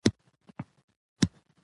فروش √ پلورل خرڅول